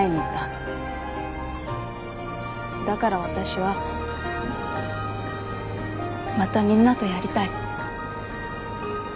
だから私はまたみんなとやりたい。